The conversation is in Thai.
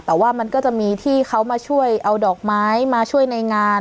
แต่ว่ามันก็จะมีที่เขามาช่วยเอาดอกไม้มาช่วยในงาน